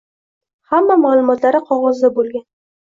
Hamma maʼlumotlari qogʻozda boʻlgan